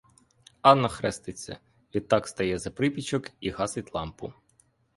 Анна хреститься, відтак стає за припічок і гасить лампу.